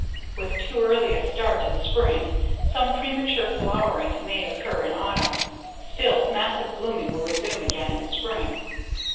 With too early a start in spring, some premature flowering may occur in autumn; still, massive blooming will resume again in spring.